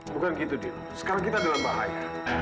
bukan gitu dil sekarang kita dalam bahaya